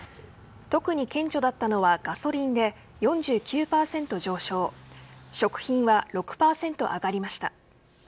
特に顕著だったのはガソリンで４９％上昇食品は６％、上がりました。